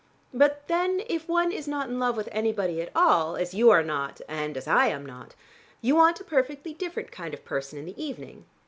But then, if one is not in love with anybody at all, as you are not, and as I am not, you want a perfectly different kind of person in the evening.